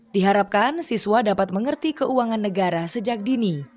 diharapkan siswa dapat mengerti keuangan negara sejak dini